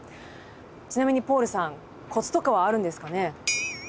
ちなみにポールさんコツとかはあるんですかね？